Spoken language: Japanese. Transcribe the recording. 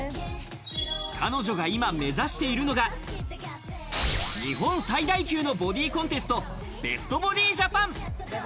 彼女が今、目指しているのが日本最大級のボディコンテスト、ベストボディジャパン。